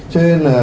cho nên là